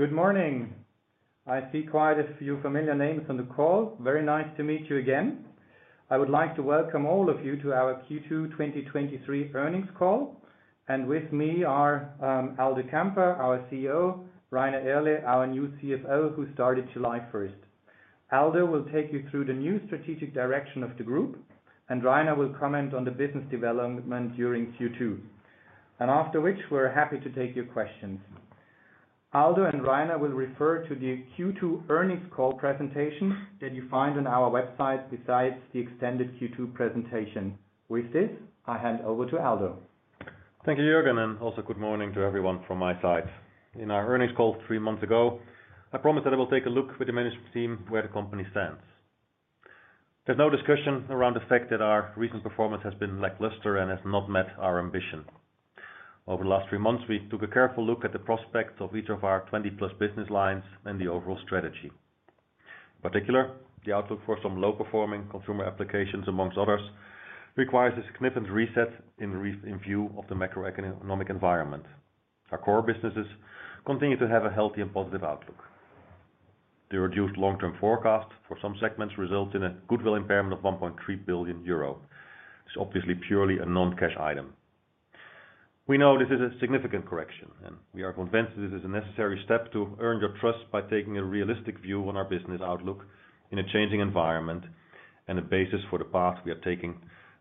Good morning. I see quite a few familiar names on the call. Very nice to meet you again. I would like to welcome all of you to our Q2 2023 Earnings Call, and with me are Aldo Kamper, our CEO, Rainer Irle, our new CFO, who started July first. Aldo will take you through the new strategic direction of the group, and Rainer will comment on the business development during Q2, and after which we're happy to take your questions. Aldo and Rainer will refer to the Q2 earnings call presentation that you find on our website, besides the extended Q2 presentation. With this, I hand over to Aldo. Thank you, Jurgen, and also good morning to everyone from my side. In our earnings call 3 months ago, I promised that I will take a look with the management team where the company stands. There's no discussion around the fact that our recent performance has been lackluster and has not met our ambition. Over the last three months, we took a careful look at the prospects of each of our 20+ business lines and the overall strategy. Particular, the outlook for some low-performing consumer applications, amongst others, requires a significant reset in view of the macroeconomic environment. Our core businesses continue to have a healthy and positive outlook. The reduced long-term forecast for some segments results in a goodwill impairment of 1.3 billion euro. It's obviously purely a non-cash item. We know this is a significant correction, and we are convinced this is a necessary step to earn your trust by taking a realistic view on our business outlook in a changing environment and the basis for the path we are taking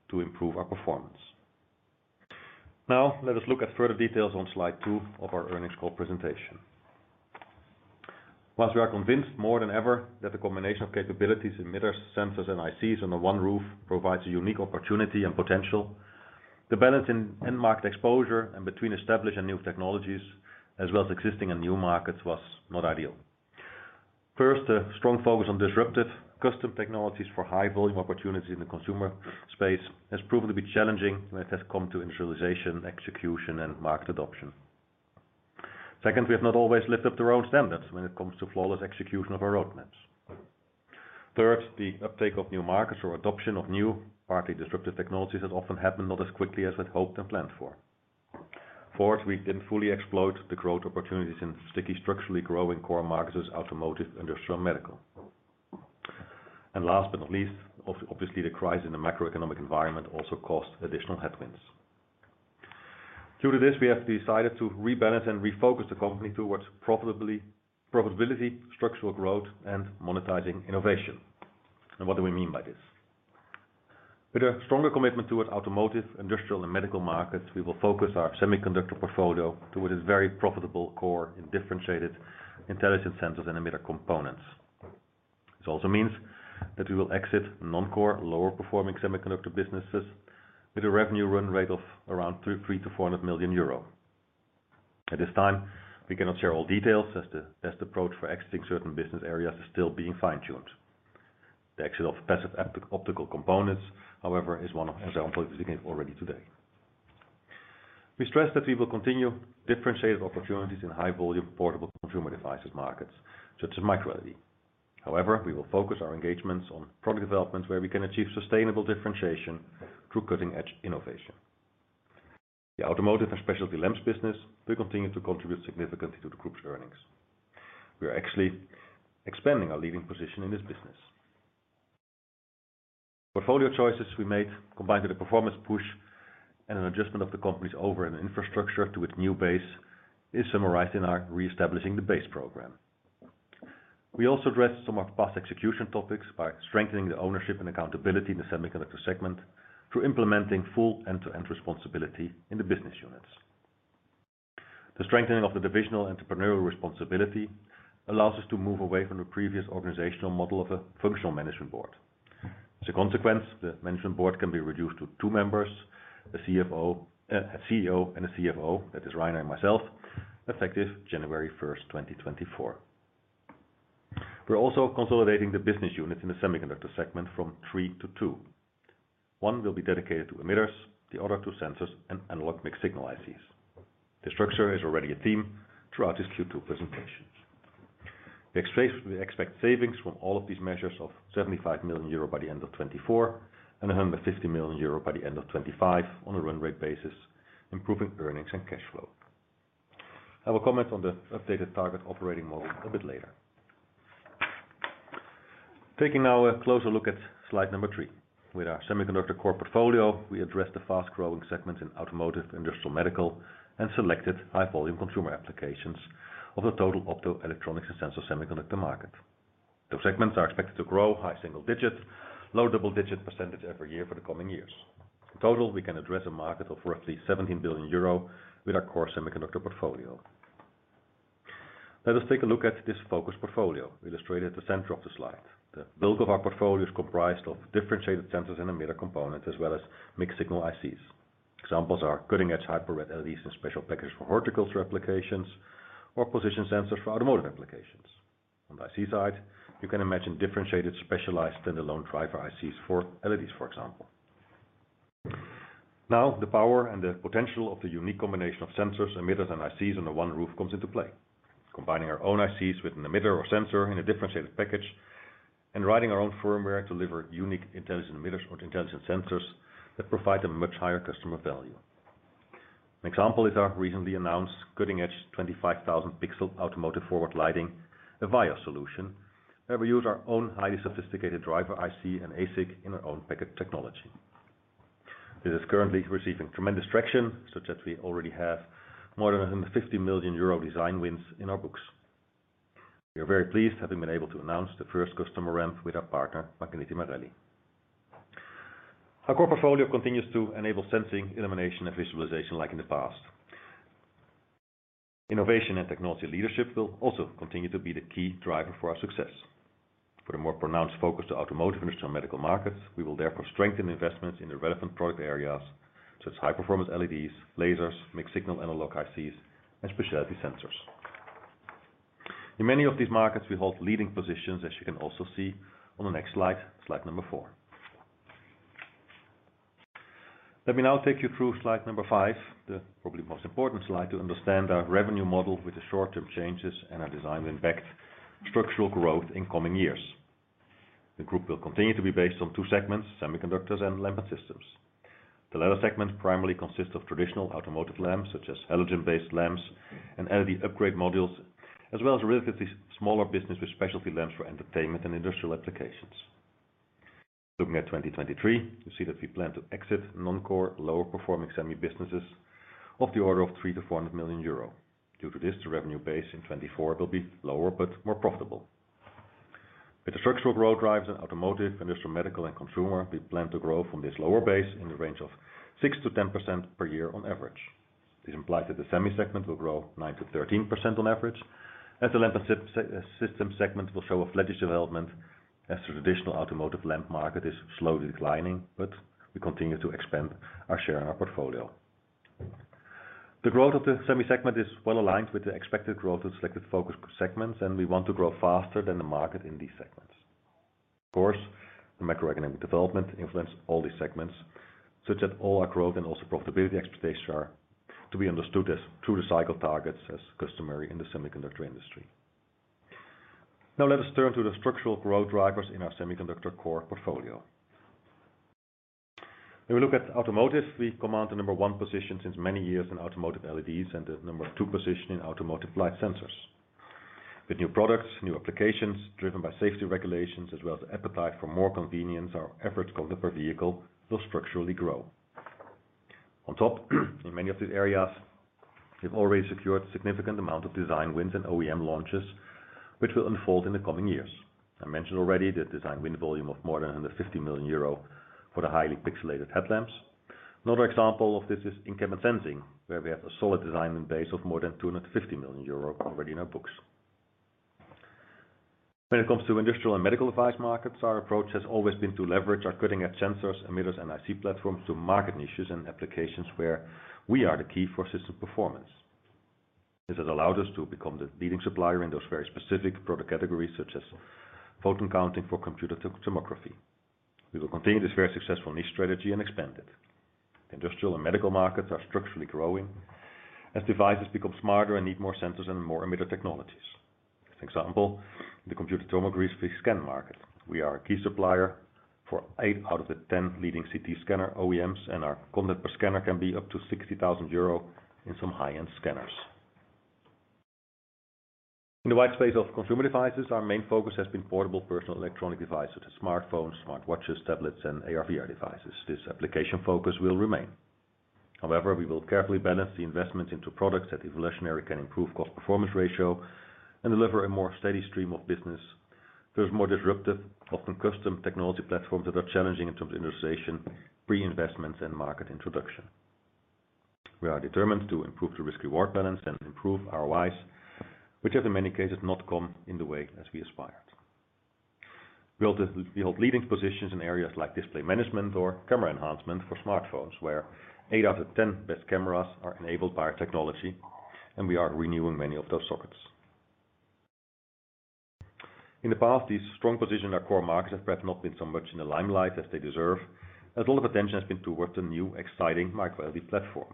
to improve our performance. Now, let us look at further details on slide two of our earnings call presentation. Once we are convinced more than ever that the combination of capabilities, emitters, sensors, and ICs under one roof provides a unique opportunity and potential, the balance in end market exposure and between established and new technologies, as well as existing and new markets, was not ideal. First, a strong focus on disruptive custom technologies for high volume opportunity in the consumer space has proven to be challenging when it has come to industrialization, execution, and market adoption. Second, we have not always lived up to our own standards when it comes to flawless execution of our roadmaps. Third, the uptake of new markets or adoption of new, partly disruptive technologies, has often happened not as quickly as we'd hoped and planned for. Fourth, we didn't fully exploit the growth opportunities in sticky, structurally growing core markets as automotive, industrial, and medical. Last but not least, obviously, the crisis in the macroeconomic environment also caused additional headwinds. Due to this, we have decided to rebalance and refocus the company towards profitability, structural growth, and monetizing innovation. What do we mean by this? With a stronger commitment towards automotive, industrial, and medical markets, we will focus our semiconductor portfolio towards its very profitable core in differentiated intelligent sensors and emitter components. This also means that we will exit non-core, lower-performing semiconductor businesses with a revenue run rate of around 300 million-400 million euro. At this time, we cannot share all details, as the best approach for exiting certain business areas is still being fine-tuned. The exit of passive optical components, however, is one of the examples we can already today. We stress that we will continue differentiated opportunities in high volume, portable consumer devices markets, such as MicroLED. However, we will focus our engagements on product developments where we can achieve sustainable differentiation through cutting-edge innovation. The automotive and specialty lamps business will continue to contribute significantly to the group's earnings. We are actually expanding our leading position in this business. Portfolio choices we made, combined with a performance push and an adjustment of the company's over and infrastructure to its new base, is summarized in our Re-establish the Base program. We also addressed some of past execution topics by strengthening the ownership and accountability in the semiconductor segment through implementing full end-to-end responsibility in the business units. The strengthening of the divisional entrepreneurial responsibility allows us to move away from the previous organizational model of a functional management board. As a consequence, the management board can be reduced to two members, a CFO, a CEO and a CFO, that is Rainer and myself, effective January first, 2024. We're also consolidating the business units in the semiconductor segment from three to two. One will be dedicated to emitters, the other two, sensors and analog mixed-signal ICs. The structure is already a theme throughout this Q2 presentation. We expect savings from all of these measures of 75 million euro by the end of 2024 and 150 million euro by the end of 2025 on a run rate basis, improving earnings and cash flow. I will comment on the updated target operating model a bit later. Taking now a closer look at slide number 3. With our semiconductor core portfolio, we address the fast-growing segment in automotive, industrial, medical, and selected high-volume consumer applications of the total optoelectronics and sensor semiconductor market. Those segments are expected to grow high single-digit, low double-digit % every year for the coming years. In total, we can address a market of roughly 17 billion euro with our core semiconductor portfolio. Let us take a look at this focus portfolio, illustrated at the center of the slide. The bulk of our portfolio is comprised of differentiated sensors and emitter components, as well as mixed-signal ICs. Examples are cutting-edge Hyper Red LEDs in special packages for horticulture applications or position sensors for automotive applications. On the IC side, you can imagine differentiated, specialized, stand-alone driver ICs for LEDs, for example. Now, the power and the potential of the unique combination of sensors, emitters, and ICs under one roof comes into play. Combining our own ICs with an emitter or sensor in a differentiated package-... and writing our own firmware to deliver unique intelligent emitters, or intelligent sensors, that provide a much higher customer value. An example is our recently announced cutting-edge 25,000 pixel automotive forward lighting, EVIYOS solution, where we use our own highly sophisticated driver IC and ASIC in our own packet technology. This is currently receiving tremendous traction, such that we already have more than 50 million euro design wins in our books. We are very pleased, having been able to announce the first customer ramp with our partner, Magneti Marelli. Our core portfolio continues to enable sensing, illumination, and visualization, like in the past. Innovation and technology leadership will also continue to be the key driver for our success. For a more pronounced focus to automotive, industrial, medical markets, we will therefore strengthen investments in the relevant product areas, such as high-performance LEDs, lasers, mixed-signal analog ICs, and specialty sensors. In many of these markets, we hold leading positions, as you can also see on the next slide, slide number four. Let me now take you through slide number five, the probably most important slide, to understand our revenue model with the short-term changes and our design-win backed structural growth in coming years. The group will continue to be based on two segments, semiconductors and Lamp and Systems. The latter segment primarily consists of traditional automotive lamps, such as halogen-based lamps and LED upgrade modules, as well as a relatively smaller business with specialty lamps for entertainment and industrial applications. Looking at 2023, you see that we plan to exit non-core, lower-performing semi businesses of the order of 300 million-400 million euro. Due to this, the revenue base in 2024 will be lower but more profitable. With the structural growth drivers in automotive, industrial, medical, and consumer, we plan to grow from this lower base in the range of 6%-10% per year on average. This implies that the semi segment will grow 9%-13% on average, as the Lamp and System segment will show a flattish development, as the traditional automotive lamp market is slowly declining, but we continue to expand our share in our portfolio. The growth of the semi segment is well aligned with the expected growth of selected focus segments. We want to grow faster than the market in these segments. Of course, the macroeconomic development influence all these segments, such that all our growth and also profitability expectations are to be understood as through the cycle targets as customary in the semiconductor industry. Let us turn to the structural growth drivers in our semiconductor core portfolio. When we look at automotive, we command the number one position since many years in automotive LEDs, and the number two position in automotive light sensors. With new products, new applications, driven by safety regulations, as well as appetite for more convenience, our efforts per vehicle will structurally grow. On top, in many of these areas, we've already secured significant amount of design wins and OEM launches, which will unfold in the coming years. I mentioned already the design win volume of more than 50 million euro for the highly pixelated headlamps. Another example of this is in-cabin sensing, where we have a solid design win base of more than 250 million euro already in our books. When it comes to industrial and medical device markets, our approach has always been to leverage our cutting-edge sensors, emitters, and IC platforms to market niches and applications where we are the key for system performance. This has allowed us to become the leading supplier in those very specific product categories, such as photon counting for computed tomography. We will continue this very successful niche strategy and expand it. Industrial and medical markets are structurally growing as devices become smarter and need more sensors and more emitter technologies. For example, in the computed tomography scan market, we are a key supplier for eight out of the 10 leading CT scanner OEMs, and our content per scanner can be up to 60,000 euro in some high-end scanners. In the wide space of consumer devices, our main focus has been portable personal electronic devices, smartphones, smartwatches, tablets, and AR/VR devices. This application focus will remain. However, we will carefully balance the investment into products that evolutionary can improve cost performance ratio and deliver a more steady stream of business. There is more disruptive, often custom, technology platforms that are challenging in terms of industrialization, pre-investments, and market introduction. We are determined to improve the risk/reward balance and improve ROIs, which have in many cases not come in the way as we aspired. We hold leading positions in areas like display management or camera enhancement for smartphones, where 8 out of 10 best cameras are enabled by our technology, and we are renewing many of those sockets. In the past, these strong position our core markets have perhaps not been so much in the limelight as they deserve, as all of attention has been towards the new, exciting MicroLED platform.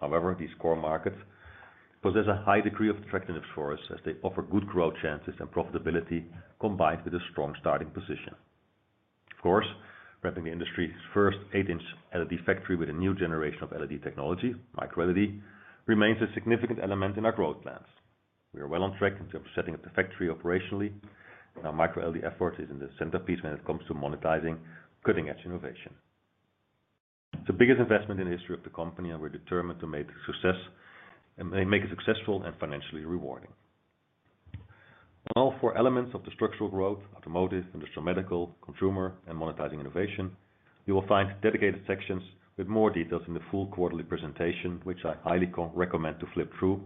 However, these core markets possess a high degree of attractiveness for us, as they offer good growth chances and profitability, combined with a strong starting position. Of course, ramping the industry's first 8-inch LED factory with a new generation of LED technology, MicroLED, remains a significant element in our growth plans. We are well on track in terms of setting up the factory operationally, and our MicroLED effort is in the centerpiece when it comes to monetizing cutting-edge innovation. It's the biggest investment in the history of the company, and we're determined to make it successful and financially rewarding. All four elements of the structural growth, automotive, industrial, medical, consumer, and monetizing innovation, you will find dedicated sections with more details in the full quarterly presentation, which I highly co- recommend to flip through,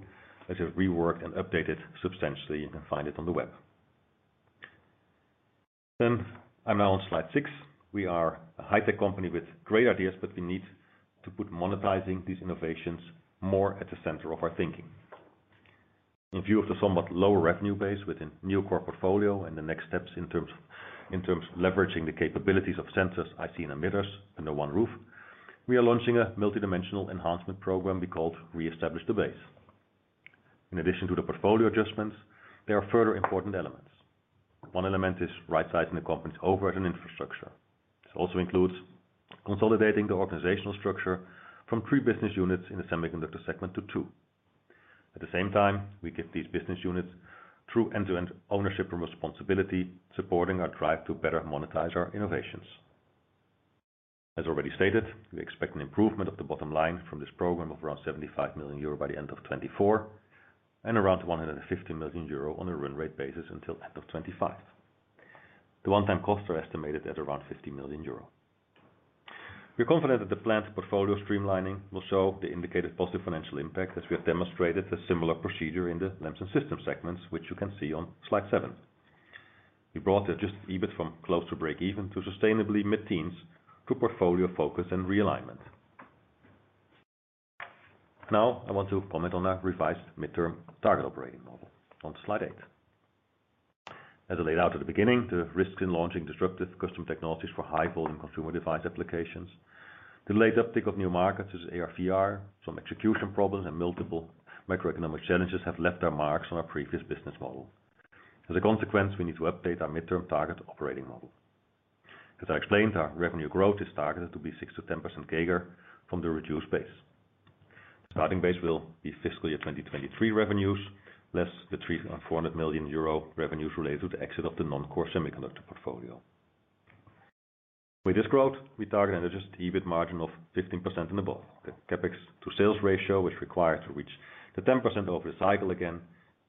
as we worked and updated substantially. You can find it on the web. I'm now on slide six. We are a high-tech company with great ideas, but we need to put monetizing these innovations more at the center of our thinking. In view of the somewhat lower revenue base within new core portfolio and the next steps in terms, in terms of leveraging the capabilities of sensors, IC and emitters under one roof, we are launching a multi-dimensional enhancement program we called Reestablish the Base. In addition to the portfolio adjustments, there are further important elements. One element is right-sizing the company's overhead and infrastructure. This also includes consolidating the organizational structure from three business units in the semiconductor segment to two. At the same time, we give these business units true end-to-end ownership and responsibility, supporting our drive to better monetize our innovations. As already stated, we expect an improvement of the bottom line from this program of around 75 million euro by the end of 2024, and around 150 million euro on a run rate basis until end of 2025. The one-time costs are estimated at around 50 million euro. We are confident that the planned portfolio streamlining will show the indicated positive financial impact, as we have demonstrated a similar procedure in the lamps and systems segments, which you can see on slide 7. We brought the adjusted EBIT from close to breakeven to sustainably mid-teens, through portfolio focus and realignment. Now, I want to comment on our revised midterm target operating model on slide 8. As I laid out at the beginning, the risks in launching disruptive custom technologies for high-volume consumer device applications, the delayed uptick of new markets, such as AR/VR, some execution problems, and multiple microeconomic challenges have left their marks on our previous business model. As a consequence, we need to update our midterm target operating model. As I explained, our revenue growth is targeted to be 6-10% CAGR from the reduced base. The starting base will be fiscal year 2023 revenues, less the 304 million euro revenues related to the exit of the non-core semiconductor portfolio. With this growth, we target an adjusted EBIT margin of 15% and above. The CapEx to sales ratio is required to reach the 10% over the cycle again,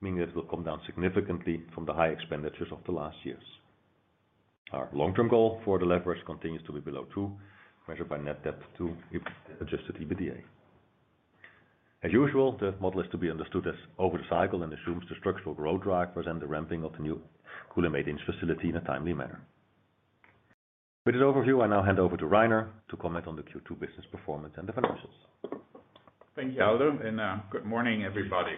meaning it will come down significantly from the high expenditures of the last years. Our long-term goal for the leverage continues to be below two, measured by net debt to adjusted EBITDA. As usual, the model is to be understood as over the cycle and assumes the structural growth drivers and the ramping of the new Kulim maintenance facility in a timely manner. With this overview, I now hand over to Rainer to comment on the Q2 business performance and the financials. Thank you, Aldo, good morning, everybody.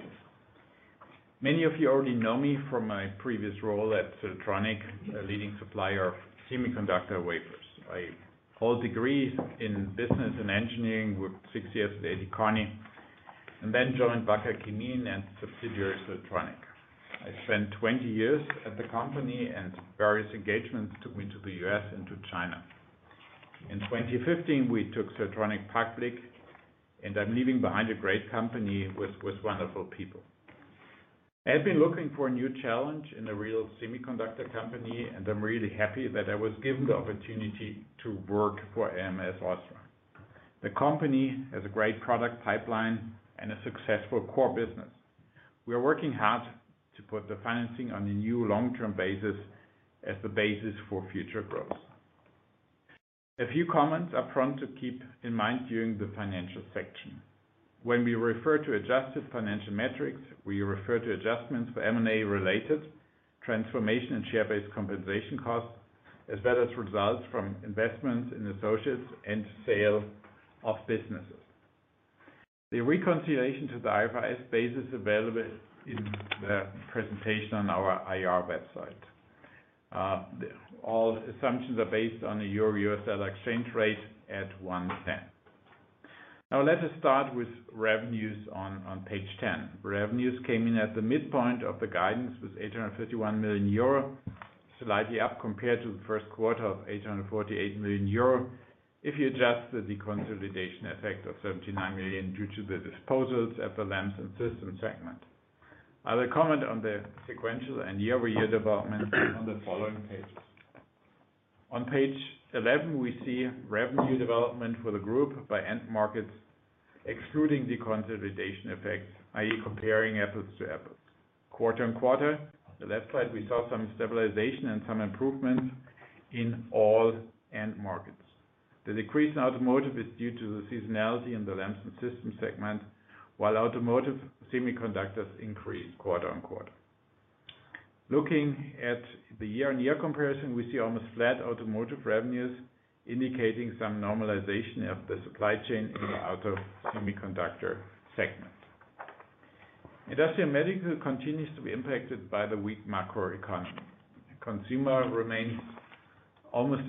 Many of you already know me from my previous role at Siltronic, a leading supplier of semiconductor wafers. I hold degrees in business and engineering, with 6 years at Kearney, and then joined Wacker Chemie and subsidiary Siltronic. I spent 20 years at the company, and various engagements took me to the US and to China. In 2015, we took Siltronic public, and I'm leaving behind a great company with wonderful people. I've been looking for a new challenge in a real semiconductor company, and I'm really happy that I was given the opportunity to work for ams OSRAM. The company has a great product pipeline and a successful core business. We are working hard to put the financing on a new long-term basis, as the basis for future growth. A few comments up front to keep in mind during the financial section. When we refer to adjusted financial metrics, we refer to adjustments for M&A-related transformation and share-based compensation costs, as well as results from investments in associates and sale of businesses. The reconciliation to the IFRS base is available in the presentation on our IR website. All assumptions are based on the Euro-US dollar exchange rate at one cent. Now, let us start with revenues on page 10. Revenues came in at the midpoint of the guidance, with 851 million euro, slightly up compared to the Q1 of 848 million euro. If you adjust the deconsolidation effect of 79 million, due to the disposals at the lamps and systems segment. I will comment on the sequential and year-over-year development on the following pages. On page 11, we see revenue development for the group by end markets, excluding the consolidation effect, i.e., comparing apples to apples. Quarter-on-quarter, the left side, we saw some stabilization and some improvement in all end markets. The decrease in automotive is due to the seasonality in the lamps and systems segment, while automotive semiconductors increased quarter-on-quarter. Looking at the year-on-year comparison, we see almost flat automotive revenues, indicating some normalization of the supply chain in the auto semiconductor segment. Industrial and medical continues to be impacted by the weak macroeconomy. Consumer remains almost,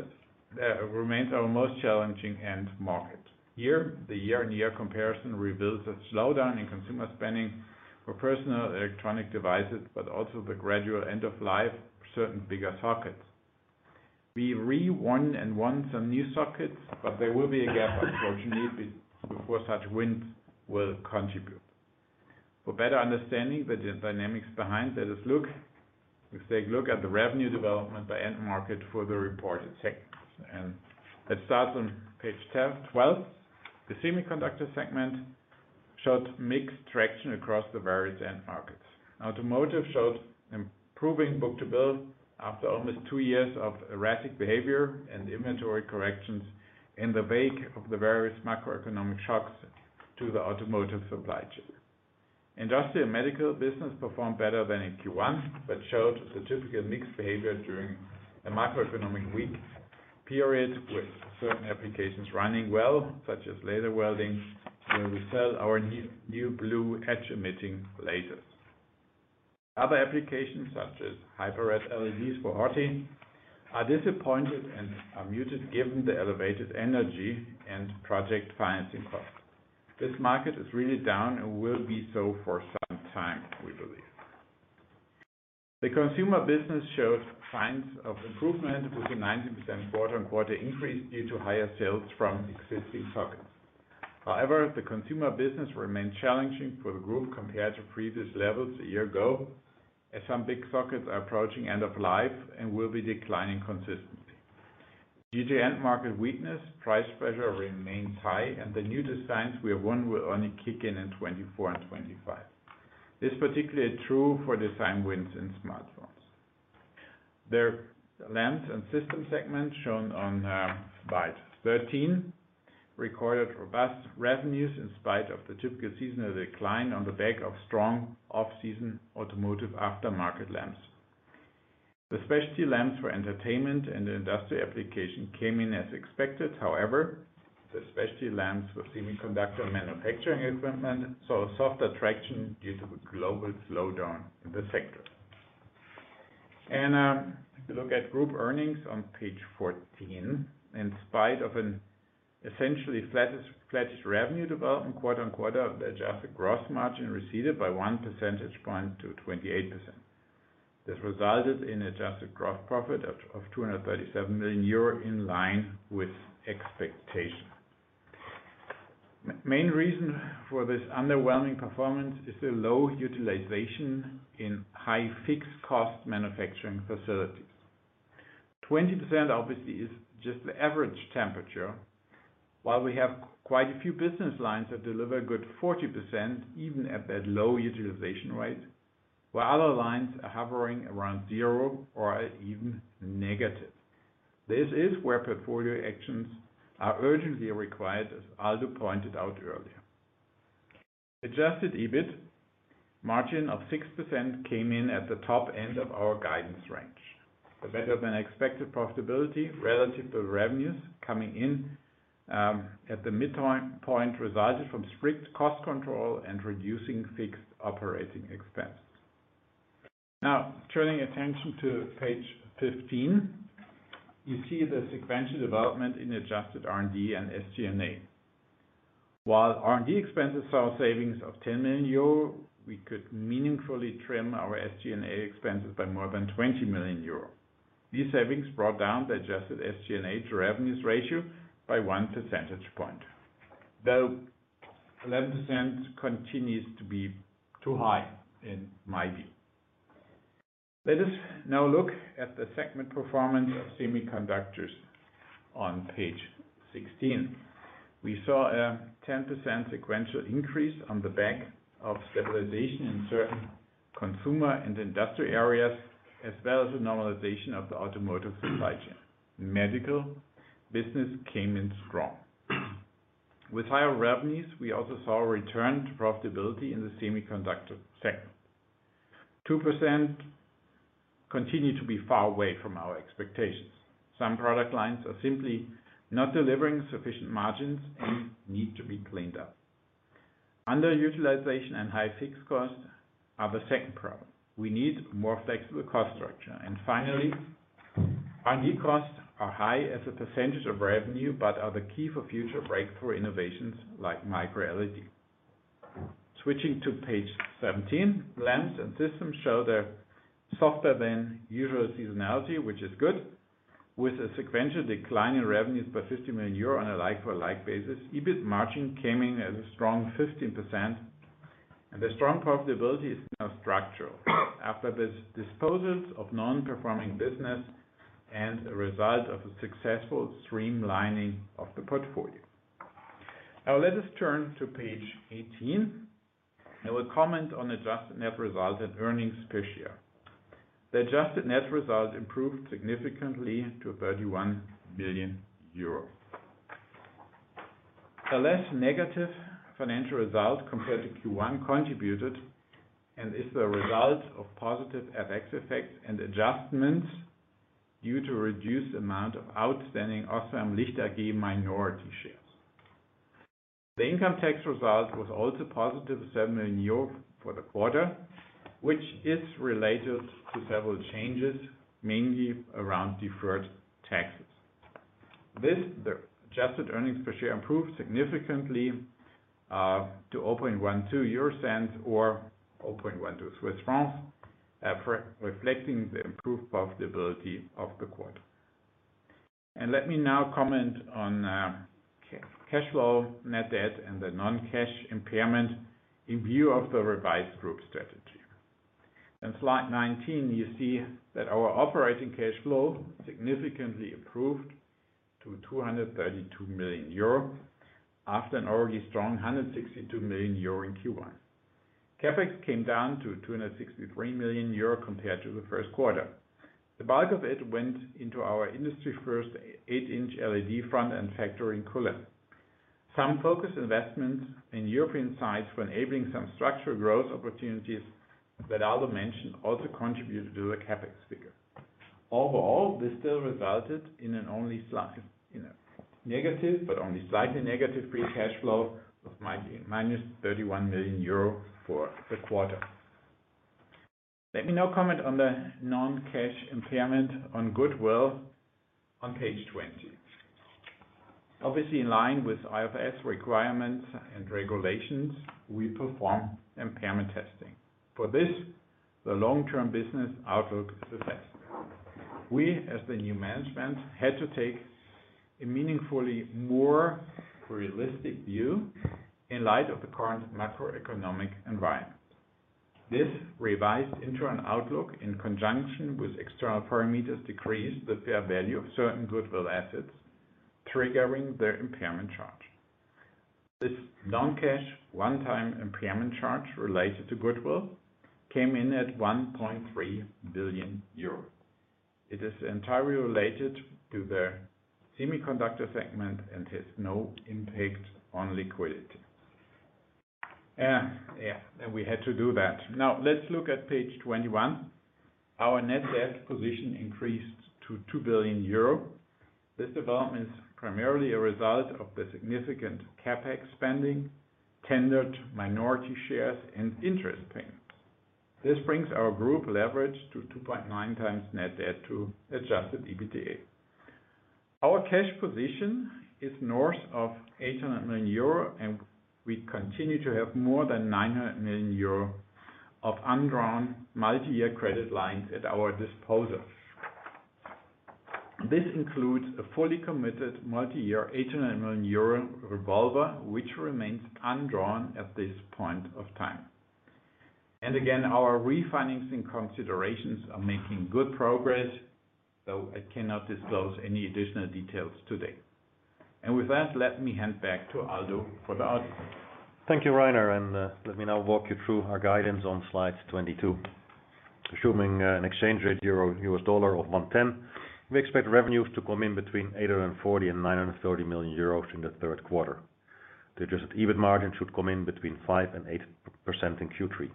remains our most challenging end market. Here, the year-on-year comparison reveals a slowdown in consumer spending for personal electronic devices, but also the gradual end of life, certain bigger sockets. We re-won and won some new sockets, but there will be a gap, unfortunately, before such wins will contribute. For better understanding the dynamics behind, let's take a look at the revenue development by end market for the reported segments. Let's start on page 10, 12. The semiconductor segment showed mixed traction across the various end markets. Automotive showed improving book-to-bill after almost two years of erratic behavior and inventory corrections in the wake of the various macroeconomic shocks to the automotive supply chain. Industrial and medical business performed better than in Q1, showed a significant mixed behavior during the macroeconomic weak period, with certain applications running well, such as laser welding, where we sell our new blue edge-emitting lasers. Other applications, such as Hyper Red LEDs for horticulture, are disappointed and are muted given the elevated energy and project financing costs. This market is really down and will be so for some time, we believe. The consumer business showed signs of improvement with a 90% quarter-on-quarter increase due to higher sales from existing sockets. The consumer business remains challenging for the group compared to previous levels a year ago, as some big sockets are approaching end of life and will be declining consistently. Due to end market weakness, price pressure remains high, the new designs we have won, will only kick in in 2024 and 2025. This is particularly true for design wins in smartphones. The lamps and system segment, shown on slide 13, recorded robust revenues in spite of the typical seasonal decline on the back of strong off-season automotive aftermarket lamps. The specialty lamps for entertainment and industrial application came in as expected. The specialty lamps for semiconductor manufacturing equipment, saw a softer traction due to the global slowdown in the sector. If you look at group earnings on page 14, in spite of an essentially flattest revenue development quarter-over-quarter, the adjusted gross margin receded by one percentage point to 28%. This resulted in adjusted gross profit of 237 million euro, in line with expectation. Main reason for this underwhelming performance is the low utilization in high fixed cost manufacturing facilities. 20%, obviously, is just the average temperature, while we have quite a few business lines that deliver a good 40%, even at that low utilization rate, while other lines are hovering around zero or are even negative. This is where portfolio actions are urgently required, as Aldo pointed out earlier. Adjusted EBIT margin of 6% came in at the top end of our guidance range. The better than expected profitability relative to revenues coming in, at the midterm point, resulted from strict cost control and reducing fixed operating expenses. Now, turning attention to page 15, you see the sequential development in adjusted R&D and SG&A. While R&D expenses saw savings of 10 million euro, we could meaningfully trim our SG&A expenses by more than 20 million euro. These savings brought down the adjusted SG&A to revenues ratio by 1 percentage point, though 11% continues to be too high, in my view. Let us now look at the segment performance of semiconductors on page 16. We saw a 10% sequential increase on the back of stabilization in certain consumer and industrial areas, as well as the normalization of the automotive supply chain. Medical business came in strong. With higher revenues, we also saw a return to profitability in the semiconductor segment. 2% continue to be far away from our expectations. Some product lines are simply not delivering sufficient margins and need to be cleaned up. Underutilization and high fixed costs are the second problem. We need more flexible cost structure. Finally, R&D costs are high as a % of revenue, but are the key for future breakthrough innovations like MicroLED. Switching to page 17, lamps and systems show the softer than usual seasonality, which is good, with a sequential decline in revenues by 50 million euro on a like-for-like basis. EBIT margin came in as a strong 15%. The strong profitability is now structural after this disposals of non-performing business and a result of a successful streamlining of the portfolio. Now, let us turn to page 18. I will comment on adjusted net results and earnings per share. The adjusted net result improved significantly to 31 million euro. The less negative financial result compared to Q1 contributed, is the result of positive FX effects and adjustments due to a reduced amount of outstanding OSRAM Licht AG minority shares. The income tax result was also positive, 7 million euro for the quarter, which is related to several changes, mainly around deferred taxes. This, the adjusted earnings per share improved significantly to 0.12 or 0.12 for reflecting the improved profitability of the quarter. Let me now comment on cash flow, net debt, and the non-cash impairment in view of the revised group strategy. In slide 19, you see that our operating cash flow significantly improved to 232 million euro, after an already strong 162 million euro in Q1. CapEx came down to 263 million euro compared to the Q1. The bulk of it went into our industry 1st 8-inch LED front-end factory in Kulim. Some focused investments in European sites for enabling some structural growth opportunities that Aldo mentioned, also contributed to the CapEx figure. Overall, this still resulted in an only slight, you know, negative, but only slightly negative free cash flow of minus 31 million euro for the quarter. Let me now comment on the non-cash impairment on goodwill on page 20. Obviously, in line with IFRS requirements and regulations, we perform impairment testing. For this, the long-term business outlook is assessed. We, as the new management, had to take a meaningfully more realistic view in light of the current macroeconomic environment. This revised interim outlook, in conjunction with external parameters, decreased the fair value of certain goodwill assets, triggering the impairment charge. This non-cash, one-time impairment charge related to goodwill came in at 1.3 billion euros. It is entirely related to the semiconductor segment and has no impact on liquidity. Yeah, we had to do that. Now, let's look at page 21. Our net debt position increased to 2 billion euro. This development is primarily a result of the significant CapEx spending, tendered minority shares, and interest payments. This brings our group leverage to 2.9 times net debt to adjusted EBITDA. Our cash position is north of 800 million euro, and we continue to have more than 900 million euro of undrawn multi-year credit lines at our disposal. This includes a fully committed multi-year 800 million euro revolver, which remains undrawn at this point of time. Again, our refinancing considerations are making good progress, though I cannot disclose any additional details today. With that, let me hand back to Aldo for the outlook. Thank you, Rainer, let me now walk you through our guidance on slide 22. Assuming an exchange rate EUR/USD of 1.10, we expect revenues to come in between 840 million and 930 million euros in the Q3. The adjusted EBIT margin should come in between 5% and 8% in Q3.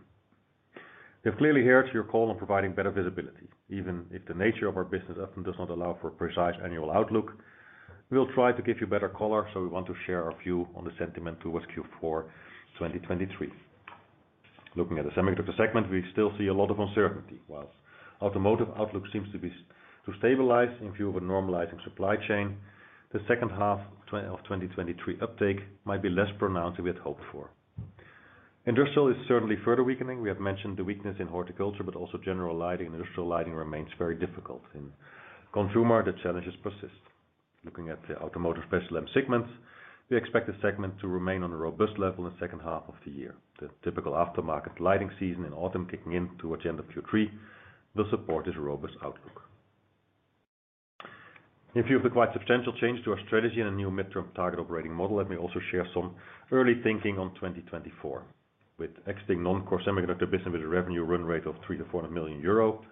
We're clearly here to your call on providing better visibility, even if the nature of our business often does not allow for a precise annual outlook. We'll try to give you better color, we want to share our view on the sentiment towards Q4 2023. Looking at the semiconductor segment, we still see a lot of uncertainty. Whilst automotive outlook seems to be to stabilize in view of a normalizing supply chain, the second half of 2023 uptake might be less pronounced than we had hoped for. Industrial is certainly further weakening. We have mentioned the weakness in horticulture, but also general lighting and industrial lighting remains very difficult. In consumer, the challenges persist. Looking at the automotive special end segments, we expect the segment to remain on a robust level in the second half of the year. The typical aftermarket lighting season in autumn, kicking in towards the end of Q3, will support this robust outlook. In view of the quite substantial change to our strategy and a new midterm target operating model, let me also share some early thinking on 2024. With exiting non-core semiconductor business with a revenue run rate of 300 million-400 million euro,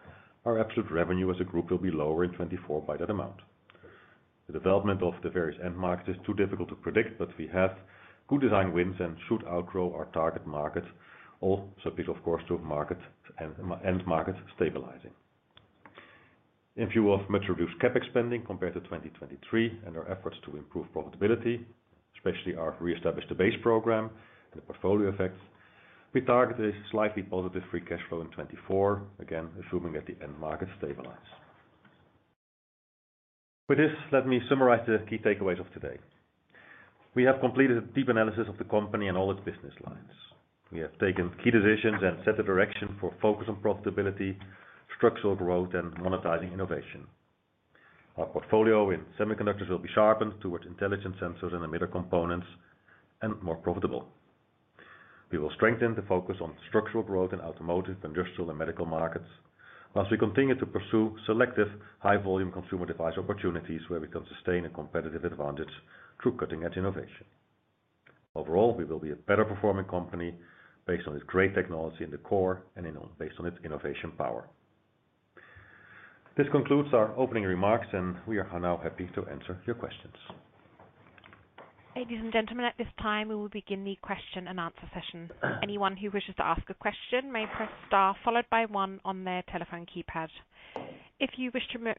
our absolute revenue as a group will be lower in 2024 by that amount. The development of the various end markets is too difficult to predict, but we have good design wins and should outgrow our target market, all subject, of course, to market and end market stabilizing. In view of much reduced CapEx spending compared to 2023, and our efforts to improve profitability, especially our Re-establish the Base program and the portfolio effects, we target a slightly positive free cash flow in 2024, again, assuming that the end market stabilize. With this, let me summarize the key takeaways of today. We have completed a deep analysis of the company and all its business lines. We have taken key decisions and set a direction for focus on profitability, structural growth, and monetizing innovation. Our portfolio in semiconductors will be sharpened towards intelligent sensors and emitter components, and more profitable. We will strengthen the focus on structural growth in automotive, industrial, and medical markets, whilst we continue to pursue selective, high-volume consumer device opportunities where we can sustain a competitive advantage through cutting-edge innovation. Overall, we will be a better performing company based on its great technology in the core and in all, based on its innovation power. This concludes our opening remarks, and we are now happy to answer your questions. Ladies and gentlemen, at this time, we will begin the question and answer session. Anyone who wishes to ask a question may press star followed by one on their telephone keypad. If you wish to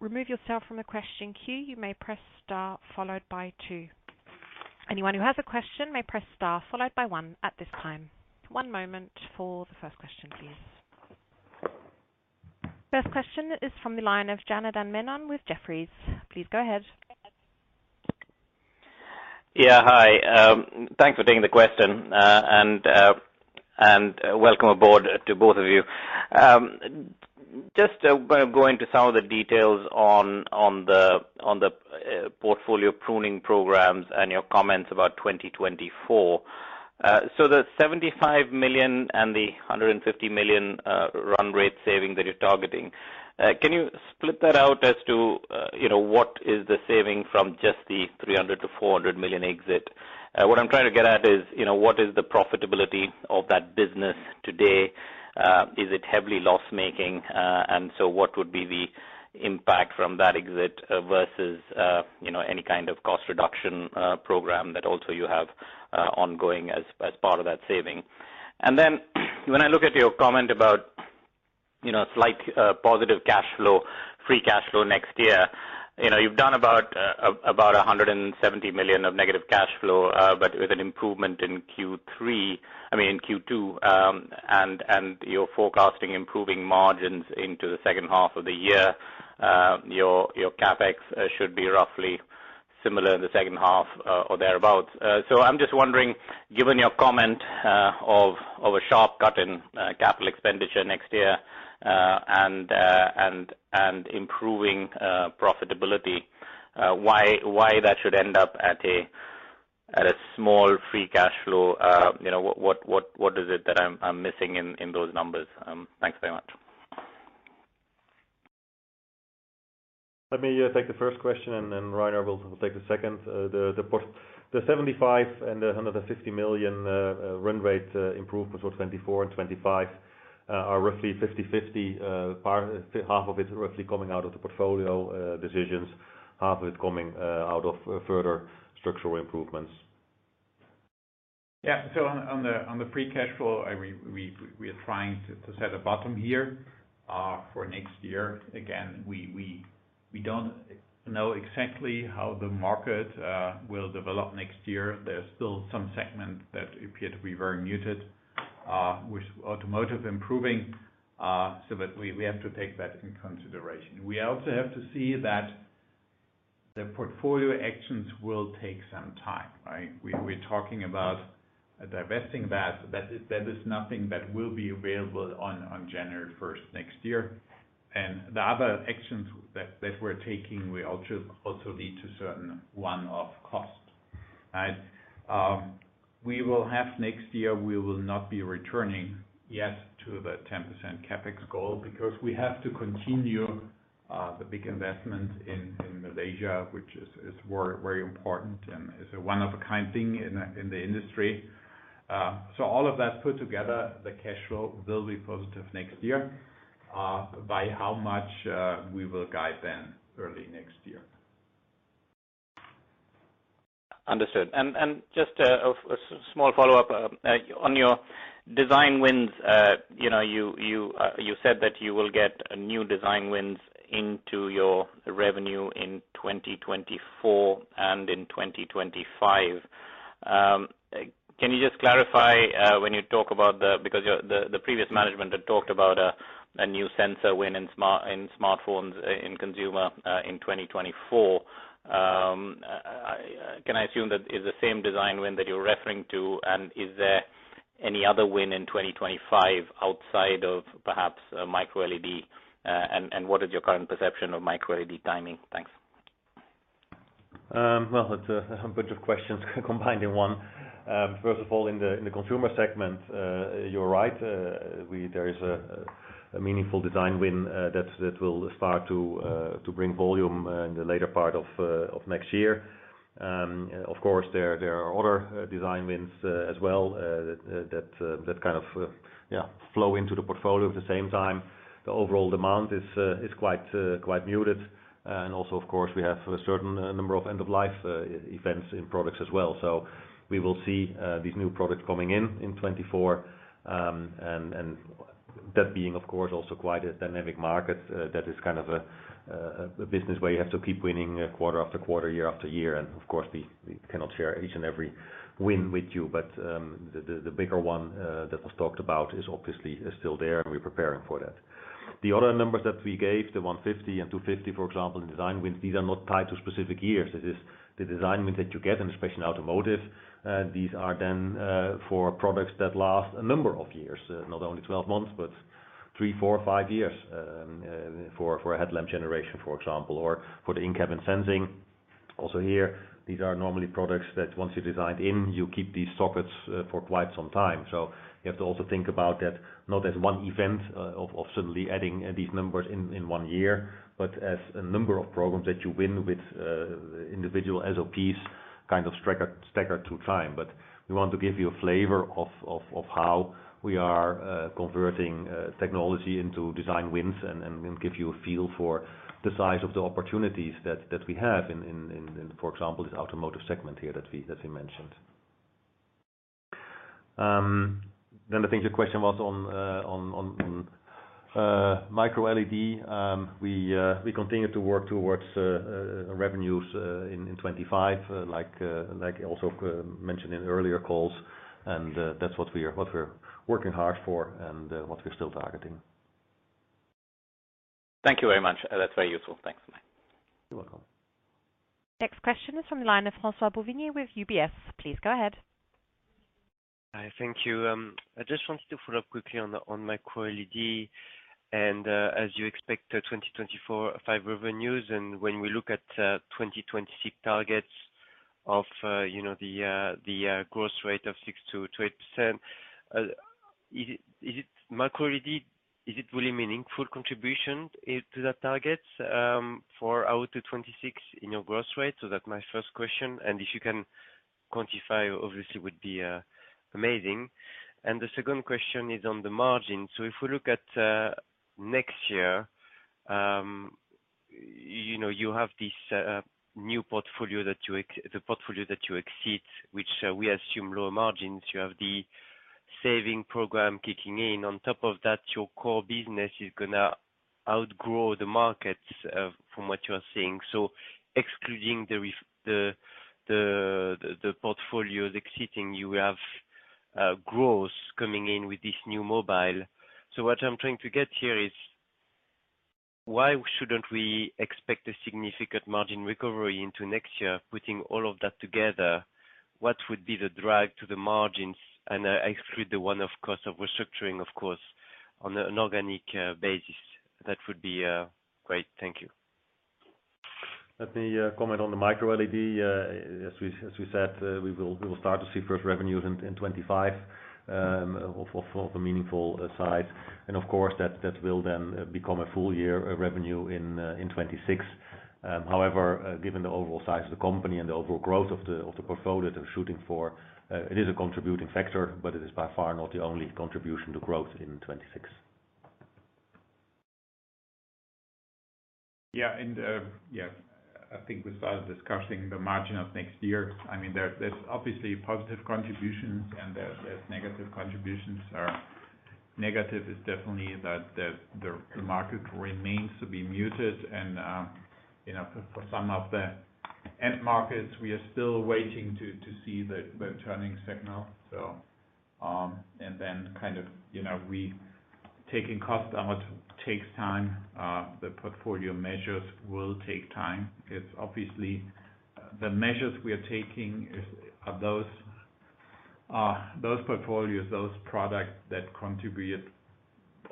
remove yourself from the question queue, you may press star followed by two. Anyone who has a question may press star, followed by one at this time. One moment for the first question, please. First question is from the line of Janardan Menon with Jefferies. Please go ahead. Yeah, hi. Thanks for taking the question, and welcome aboard to both of you. Just going to some of the details on the portfolio pruning programs and your comments about 2024. The 75 million and the 150 million run rate savings that you're targeting, can you split that out as to, you know, what is the saving from just the 300 million-400 million exit? What I'm trying to get at is, you know, what is the profitability of that business today? Is it heavily loss-making? What would be the impact from that exit versus, you know, any kind of cost reduction program that also you have ongoing as part of that saving? Then when I look at your comment about, you know, slight, positive cash flow, free cash flow next year, you know, you've done about, 170 million of negative cash flow, but with an improvement in Q3, I mean, in Q2, and you're forecasting improving margins into the second half of the year, your CapEx should be roughly similar in the second half, or thereabout. So I'm just wondering, given your comment, of a sharp cut in capital expenditure next year, and improving profitability, why that should end up at a small free cash flow? You know, what, what, what is it that I'm, I'm missing in, in those numbers? Thanks very much. Let me take the first question, and then Rainer will, will take the second. The 75 million and the 150 million run rate improvements for 2024 and 2025 are roughly 50/50 part, half of it is roughly coming out of the portfolio decisions, half of it coming out of further structural improvements. Yeah. On, on the, on the free cash flow, I, we, we, we are trying to, to set a bottom here for next year. Again, we, we, we don't know exactly how the market will develop next year. There's still some segments that appear to be very muted with automotive improving, so that we, we have to take that into consideration. We also have to see that the portfolio actions will take some time, right? We, we're talking about divesting that, that is, that is nothing that will be available on January first next year. The other actions that, that we're taking will also, also lead to certain one-off costs, right? We will have next year, we will not be returning yet to the 10% CapEx goal because we have to continue the big investment in Malaysia, which is very, very important and is a one-of-a-kind thing in the industry. All of that put together, the cash flow will be positive next year. By how much, we will guide then early next year. Understood. And just a small follow-up on your design wins. You know, you, you said that you will get new design wins into your revenue in 2024 and in 2025. Can you just clarify when you talk about the... Because your, the previous management had talked about a new sensor win in smart, in smartphones, in consumer, in 2024. Can I assume that it's the same design win that you're referring to? Is there any other win in 2025 outside of perhaps MicroLED? And, and what is your current perception of MicroLED timing? Thanks. Well, it's a bunch of questions combined in one. First of all, in the consumer segment, you're right, there is a meaningful design win that will start to bring volume in the later part of next year. Of course, there are other design wins as well that kind of, yeah, flow into the portfolio at the same time. The overall demand is quite muted. Also, of course, we have a certain number of end-of-life events in products as well. We will see these new products coming in in 2024. That being, of course, also quite a dynamic market, that is kind of a business where you have to keep winning quarter after quarter, year after year. Of course, we, we cannot share each and every win with you, but the, the, the bigger one that was talked about is obviously is still there, and we're preparing for that. The other numbers that we gave, the 150 and 250, for example, in design wins, these are not tied to specific years. It is the design wins that you get, and especially in automotive, these are then for products that last a number of years, not only 12 months, but three, four, five years, for, for a headlamp generation, for example, or for the in-cabin sensing. Also here, these are normally products that once you're designed in, you keep these sockets for quite some time. You have to also think about that not as one event of suddenly adding these numbers in one year, but as a number of programs that you win with individual SOPs kind of staggered, staggered through time. We want to give you a flavor of how we are converting technology into design wins and give you a feel for the size of the opportunities that we have in, for example, this automotive segment here that we mentioned. I think the question was on microLED.We continue to work towards revenues in 25, like I also mentioned in earlier calls, and that's what we are, what we're working hard for and what we're still targeting. Thank you very much. That's very useful. Thanks, bye. You're welcome. Next question is from the line of Francois-Xavier Bouvignies with UBS. Please go ahead. Hi, thank you. I just wanted to follow up quickly on the, on MicroLED. As you expect the 2024-2025 revenues, and when we look at 2026 targets of, you know, the growth rate of 6%-8%, is it, is it MicroLED? Is it really meaningful contribution, it, to the targets for out to 2026 in your growth rate? That's my first question, and if you can quantify, obviously, would be amazing. The second question is on the margin. If we look at next year, you know, you have this new portfolio that you ex- the portfolio that you exit, which we assume lower margins. You have the saving program kicking in. On top of that, your core business is gonna outgrow the markets from what you are seeing. Excluding the portfolio exiting, you have growth coming in with this new mobile. What I'm trying to get here is, why shouldn't we expect a significant margin recovery into next year? Putting all of that together, what would be the drive to the margins? Exclude the one, of course, of restructuring, of course, on an organic basis. That would be great. Thank you. Let me comment on the MicroLED. As we, as we said, we will, we will start to see first revenues in, in 2025, of, of, of a meaningful, size. Of course, that, that will then become a full year, revenue in, in 2026. However, given the overall size of the company and the overall growth of the, of the portfolio that we're shooting for, it is a contributing factor, but it is by far not the only contribution to growth in 2026. Yeah, yes, I think we started discussing the margin of next year. I mean, there, there's obviously positive contributions and there's negative contributions. Negative is definitely that the, the, the market remains to be muted and, you know, for, for some of the end markets, we are still waiting to, to see the, the turning signal. Then kind of, you know, we taking cost out takes time. The portfolio measures will take time. It's obviously, the measures we are taking is, are those, those portfolios, those products that contribute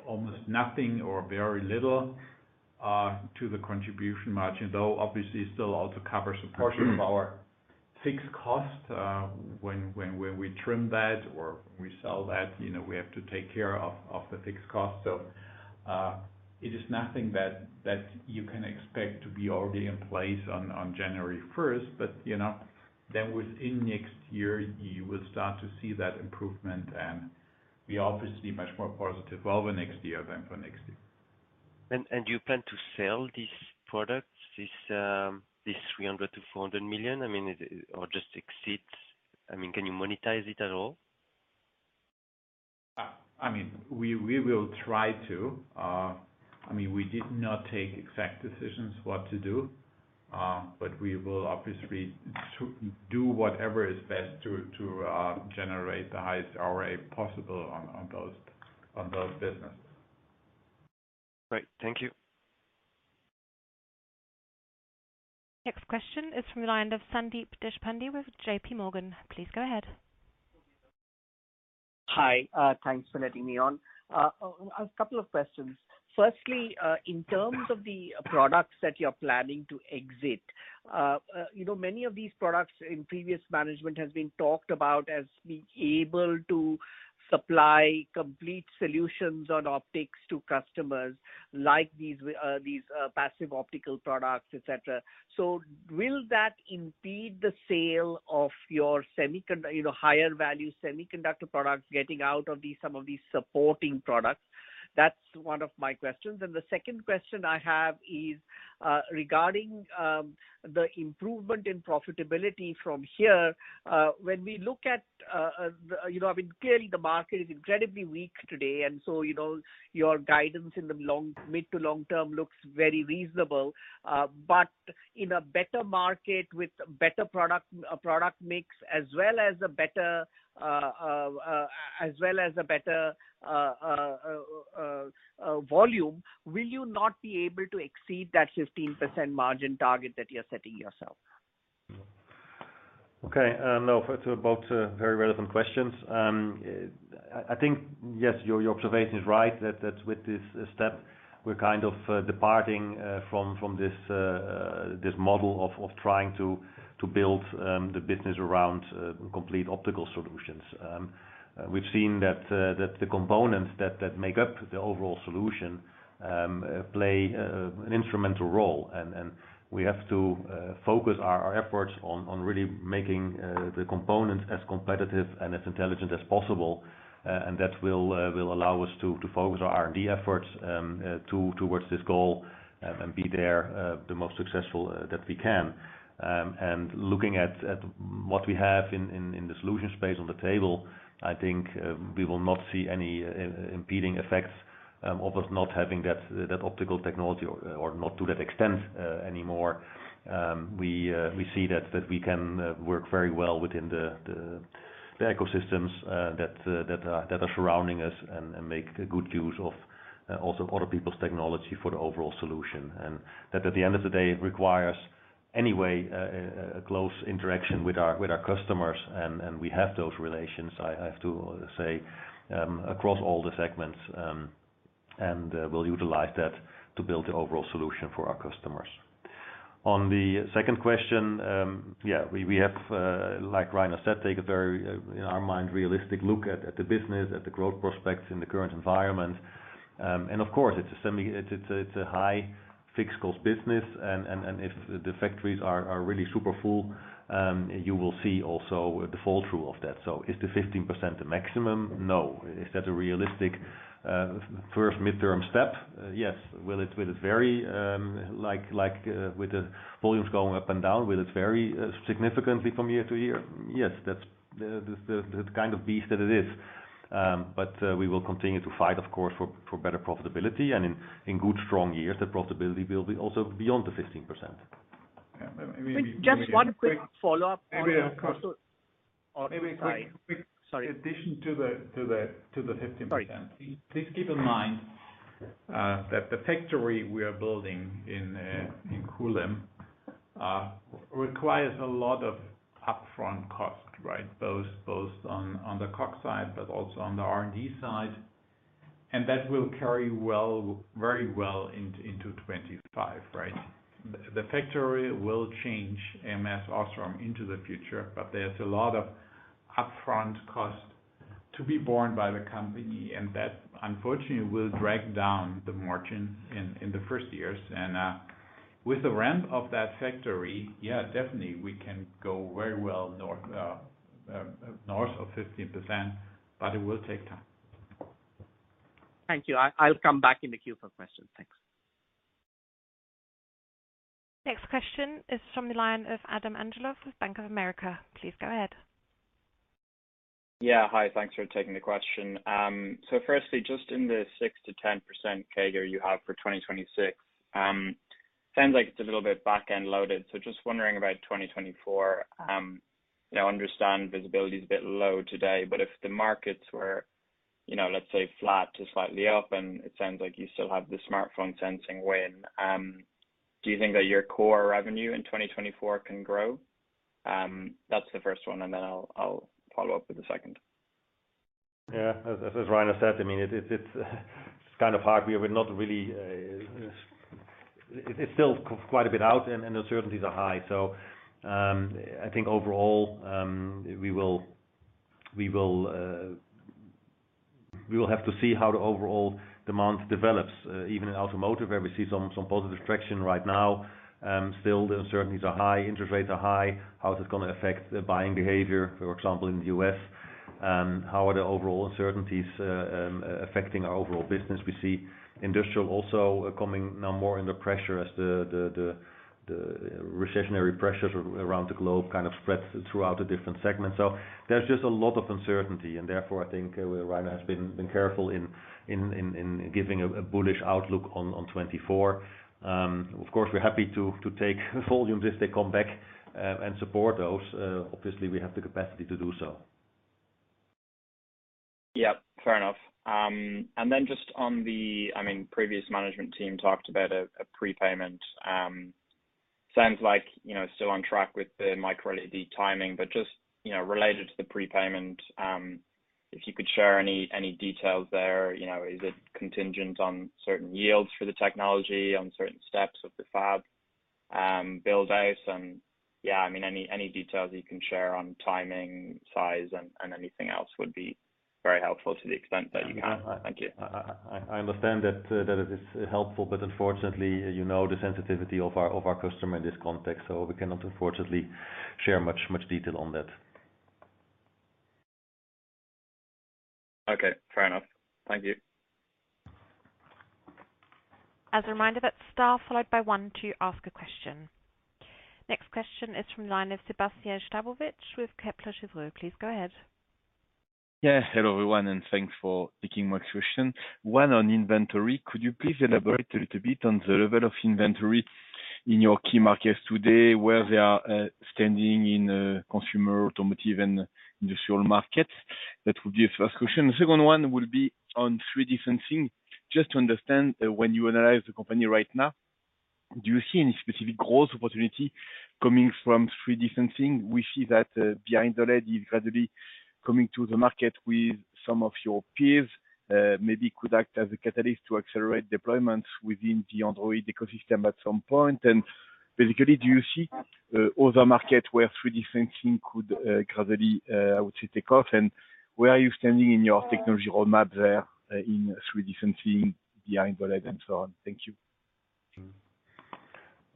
almost nothing or very little, to the contribution margin, though obviously still also covers a portion of our fixed cost. When, when, when we trim that or we sell that, you know, we have to take care of, of the fixed cost. it is nothing that, that you can expect to be already in place on, on January first, but, you know, then within next year, you will start to see that improvement, and we are obviously much more positive over next year than for next year. You plan to sell these products, this 300 million to 400 million? I mean, Or just exit? I mean, can you monetize it at all? I mean, we, we will try to. I mean, we did not take exact decisions what to do, but we will obviously do whatever is best to, to generate the highest Ra possible on, on those, on those business. Great, thank you. Next question is from the line of Sandeep Deshpande with JPMorgan. Please go ahead. Hi, thanks for letting me on. A couple of questions. Firstly, in terms of the products that you're planning to exit, you know, many of these products in previous management has been talked about as being able to supply complete solutions on optics to customers, like these, these, passive optical products, et cetera. Will that impede the sale of your semiconduct- you know, higher value semiconductor products getting out of these, some of these supporting products? That's one of my questions. The second question I have is regarding the improvement in profitability from here. When we look at the... You know, I mean, clearly the market is incredibly weak today, and so, you know, your guidance in the long, mid to long term looks very reasonable. Uh, but in a better market with better product, uh, product mix, as well as a better, uh, uh, uh, as well as a better, uh, uh, uh, uh, volume, will you not be able to exceed that fifteen percent margin target that you're setting yourself? Okay, no, for, to both, very relevant questions. I, I think, yes, your, your observation is right, that, that with this step, we're kind of departing from, from this, this model of, of trying to, to build the business around complete optical solutions. We've seen that the components that, that make up the overall solution play an instrumental role. We have to focus our efforts on, on really making the components as competitive and as intelligent as possible. That will allow us to focus our R&D efforts to-towards this goal and be there the most successful that we can. Looking at, at what we have in, in, in the solution space on the table, I think, we will not see any impeding effects, of us not having that, that optical technology or, or not to that extent, anymore. We, we see that, that we can, work very well within the, the, the ecosystems, that, that, that are surrounding us and, make good use of, also other people's technology for the overall solution. That at the end of the day, requires anyway, a close interaction with our, with our customers, and, and we have those relations, I, I have to say, across all the segments, and, we'll utilize that to build the overall solution for our customers. On the second question, yeah, we, we have, like Rainer said, take a very, in our mind, realistic look at the business, at the growth prospects in the current environment. Of course, it's a semi... It's a high fixed cost business, and, and, and if the factories are, are really super full, you will see also the fall through of that. Is the 15% the maximum? No. Is that a realistic first midterm step, yes. Will it, will it vary, like, like, with the volumes going up and down, will it vary significantly from year to year? Yes, that's the kind of beast that it is. We will continue to fight, of course, for, for better profitability. In, in good, strong years, the profitability will be also beyond the 15%. Yeah. Just one quick follow-up. Maybe, of course- Sorry. Maybe a quick- Sorry. Addition to the, to the, to the 15%. Sorry. Please keep in mind that the factory we are building in Kulim requires a lot of upfront cost, right? Both on the CapEx side, but also on the R&D side, and that will carry very well into 2025, right? The factory will change ams OSRAM into the future, but there's a lot of upfront cost to be borne by the company, and that, unfortunately, will drag down the margin in the first years. With the ramp of that factory, yeah, definitely, we can go very well north, north of 15%, but it will take time. Thank you. I'll come back in the queue for questions. Thanks. Next question is from the line of Adam Angelo, with Bank of America. Please go ahead. Yeah. Hi, thanks for taking the question. Firstly, just in the 6%-10% CAGR you have for 2026, sounds like it's a little bit back-end loaded. Just wondering about 2024, I understand visibility is a bit low today, but if the markets were, you know, let's say flat to slightly up, and it sounds like you still have the smartphone sensing win, do you think that your core revenue in 2024 can grow? That's the first one, then I'll, I'll follow up with the second. Yeah. As, as, as Rainer said, I mean, it, it's, it's kind of hard. We are not really. It, it's still quite a bit out, and, and uncertainties are high. I think overall, we will, we will, we will have to see how the overall demand develops even in automotive, where we see some, some positive traction right now. Still, the uncertainties are high, interest rates are high. How is it going to affect the buying behavior, for example, in the US? How are the overall uncertainties affecting our overall business? We see industrial also coming now more under pressure as the, the, the, the recessionary pressures around the globe kind of spreads throughout the different segments. There's just a lot of uncertainty, and therefore, I think Rainer has been careful in giving a bullish outlook on 2024. Of course, we're happy to take volumes as they come back and support those. Obviously, we have the capacity to do so. Yep, fair enough. Then just on I mean, previous management team talked about a, a prepayment. Sounds like, you know, still on track with the MicroLED timing, but just, you know, related to the prepayment, if you could share any, any details there, you know, is it contingent on certain yields for the technology, on certain steps of the fab, build out? Yeah, I mean, any, any details you can share on timing, size, and, and anything else would be very helpful to the extent that you can. Thank you. I, I, I understand that, that it is helpful, but unfortunately, you know the sensitivity of our, of our customer in this context, so we cannot unfortunately share much, much detail on that. Okay, fair enough. Thank you. As a reminder, that's star followed by one to ask a question. Next question is from line of Sebastien Sztabowicz with Kepler Cheuvreux. Please go ahead. Yeah. Hello, everyone, and thanks for taking my question. One on inventory. Could you please elaborate a little bit on the level of inventory in your key markets today, where they are standing in consumer, automotive, and industrial markets? That would be the first question. The second one would be on 3D sensing. Just to understand, when you analyze the company right now, do you see any specific growth opportunity coming from 3D sensing? We see that, behind the lead, you're gradually coming to the market with some of your peers, maybe could act as a catalyst to accelerate deployments within the Android ecosystem at some point. Basically, do you see other markets where 3D sensing could gradually, I would say, take off? Where are you standing in your technology roadmap there, in 3D sensing behind the lead and so on? Thank you.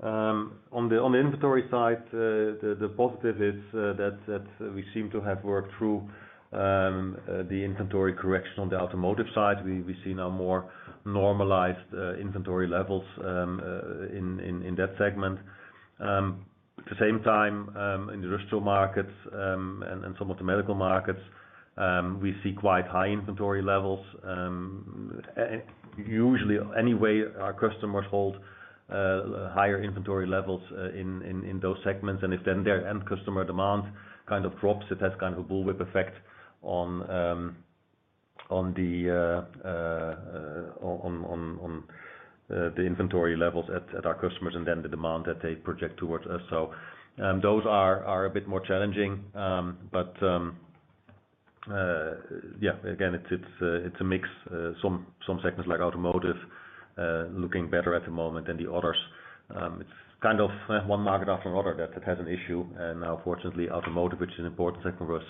On the, on the inventory side, the, the positive is that, that we seem to have worked through the inventory correction on the automotive side. We, we see now more normalized inventory levels in, in, in that segment. At the same time, in the industrial markets, and, and some of the medical markets, we see quite high inventory levels. Usually, anyway, our customers hold higher inventory levels in, in, in those segments, and if then their end customer demand kind of drops, it has kind of a bullwhip effect on the inventory levels at, at our customers, and then the demand that they project towards us. Those are, are a bit more challenging. Yeah, again, it's, it's, it's a mix. Some, some segments, like automotive, looking better at the moment than the others. It's kind of one market after another that it has an issue, and now, fortunately, automotive, which is an important segment for us,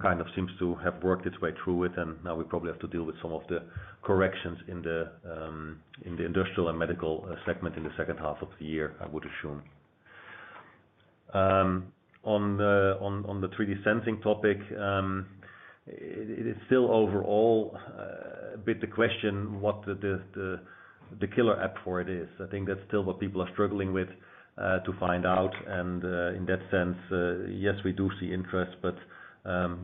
kind of seems to have worked its way through it, and now we probably have to deal with some of the corrections in the industrial and medical segment in the second half of the year, I would assume. On the, on, on the 3D sensing topic, it, it is still overall a bit the question, what the, the, the killer app for it is. I think that's still what people are struggling with to find out. In that sense, yes, we do see interest, but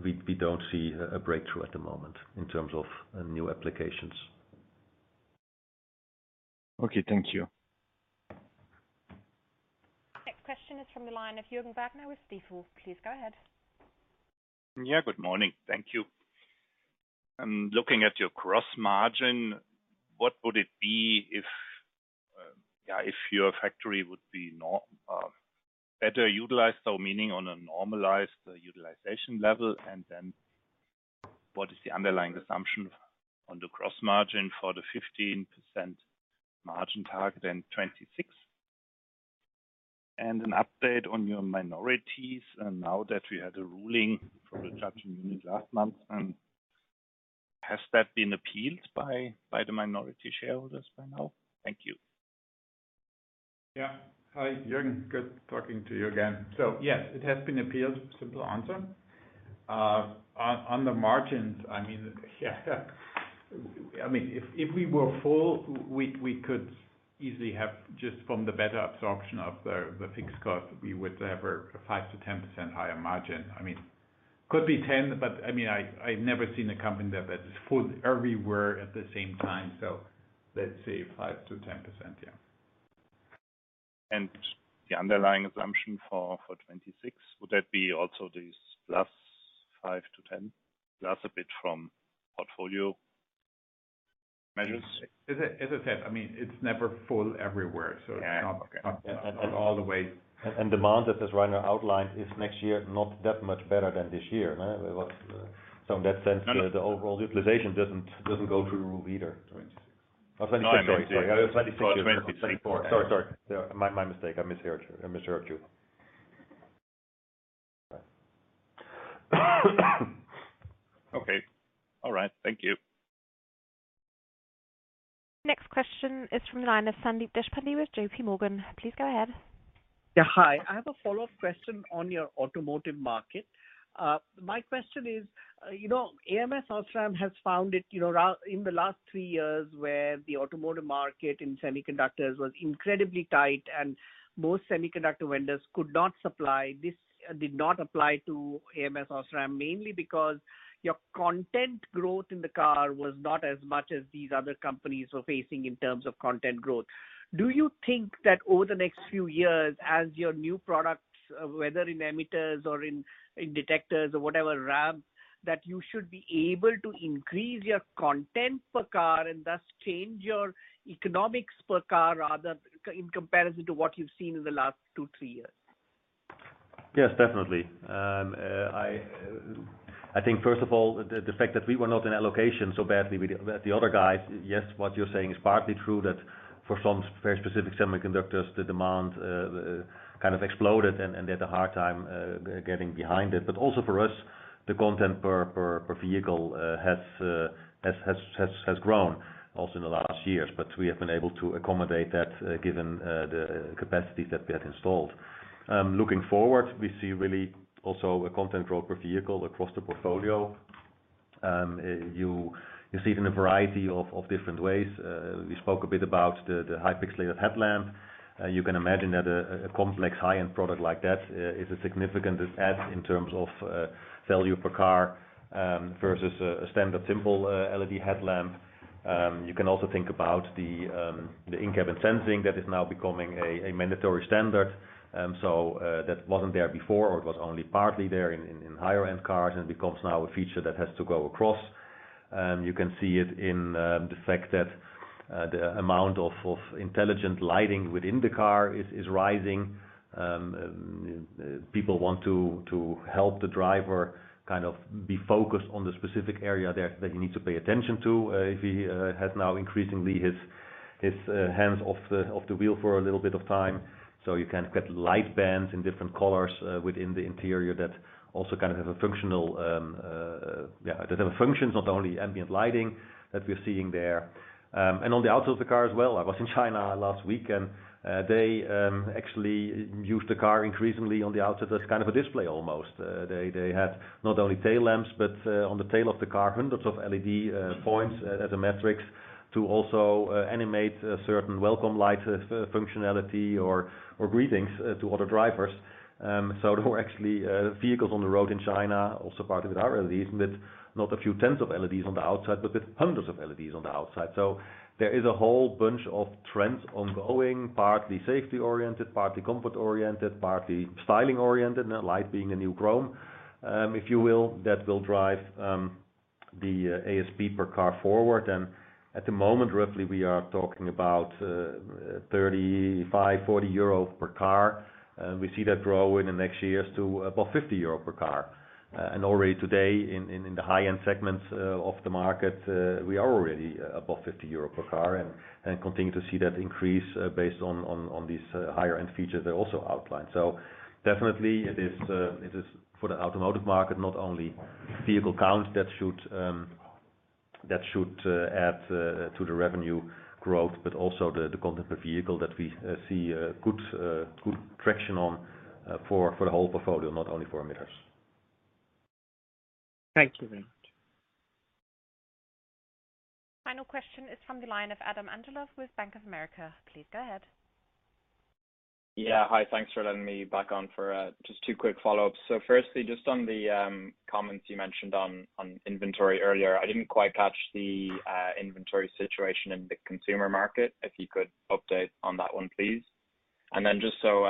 we, we don't see a breakthrough at the moment in terms of new applications. Okay, thank you. Next question is from the line of Jürgen Wagner with Stifel. Please go ahead. Yeah, good morning. Thank you. Looking at your cross margin, what would it be if, yeah, if your factory would be nor, better utilized, so meaning on a normalized utilization level, then what is the underlying assumption on the cross margin for the 15% margin target, then 2026? An update on your minorities, now that we have the ruling from the judge in EU last month, has that been appealed by, by the minority shareholders by now? Thank you. Yeah. Hi, Juergen. Good talking to you again. Yes, it has been appealed. Simple answer. On, on the margins, I mean, yeah, I mean, if, if we were full, we, we could easily have, just from the better absorption of the, the fixed cost, we would have a 5%-10% higher margin. Could be 10, but, I mean, I, I've never seen a company that is full everywhere at the same time. Let's say 5%-10%, yeah. The underlying assumption for, for 2026, would that be also these plus 5%-10%, plus a bit from portfolio measures? As I, as I said, I mean, it's never full everywhere, so. Yeah. It's not, not all the way. Demand, as Rainer outlined, is next year, not that much better than this year, right? In that sense, the overall utilization doesn't go through either. Twenty-six. Oh, sorry, 26. Sorry, sorry. My, my mistake. I misheard you, I misheard you. Okay. All right. Thank you. Next question is from the line of Sandeep Deshpande with JPMorgan. Please go ahead. Yeah, hi. I have a follow-up question on your automotive market. My question is, you know, ams OSRAM has found it, you know, in the last three years, where the automotive market in semiconductors was incredibly tight, and most semiconductor vendors could not supply. This did not apply to ams OSRAM, mainly because your content growth in the car was not as much as these other companies were facing in terms of content growth. Do you think that over the next few years, as your new products, whether in emitters or in, in detectors or whatever, RAM, that you should be able to increase your content per car and thus change your economics per car, rather, in comparison to what you've seen in the last 2, 3 years? Yes, definitely. I think first of all, the fact that we were not in allocation so badly with the other guys, yes, what you're saying is partly true, that for some very specific semiconductors, the demand kind of exploded, and they had a hard time getting behind it. Also for us, the content per vehicle has grown also in the last years, but we have been able to accommodate that given the capacity that we have installed. Looking forward, we see really also a content growth per vehicle across the portfolio. You see it in a variety of different ways. We spoke a bit about the high pixel headlamp. You can imagine that a complex high-end product like that is a significant add in terms of value per car versus a standard simple LED headlamp. You can also think about the in-cabin sensing that is now becoming a mandatory standard. That wasn't there before or it was only partly there in higher end cars, and it becomes now a feature that has to go across. You can see it in the fact that the amount of intelligent lighting within the car is rising. People want to, to help the driver kind of be focused on the specific area that, that you need to pay attention to, if he has now increasingly his, his hands off the, off the wheel for a little bit of time. You can get light bands in different colors, within the interior that also kind of have a functional, yeah, that have functions, not only ambient lighting that we're seeing there. On the outside of the car as well, I was in China last week, and they actually use the car increasingly on the outside as kind of a display, almost. They, they had not only tail lamps, but on the tail of the car, hundreds of LED points as a matrix to also animate a certain welcome light functionality or, or greetings to other drivers. There were actually vehicles on the road in China, also partly with our LEDs, with not a few tens of LEDs on the outside, but with hundreds of LEDs on the outside. There is a whole bunch of trends ongoing, partly safety-oriented, partly comfort-oriented, partly styling-oriented, and light being a new chrome. If you will, that will drive the ASP per car forward. And at the moment, roughly, we are talking about 35-40 euro per car. We see that grow in the next years to above 50 euro per car. Already today, in, in, in the high-end segments of the market, we are already above 50 euro per car and, and continue to see that increase based on, on, on these higher-end features that are also outlined. Definitely it is, it is for the automotive market, not only vehicle count, that should add to the revenue growth, but also the, the content per vehicle that we see good, good traction on for, for the whole portfolio, not only for emitters. Thank you very much. Final question is from the line of Adam Angelo with Bank of America. Please go ahead. Yeah, hi. Thanks for letting me back on for just two quick follow-ups. Firstly, just on the comments you mentioned on, on inventory earlier, I didn't quite catch the inventory situation in the consumer market. If you could update on that one, please. Then just so